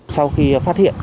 sau khi phát hiện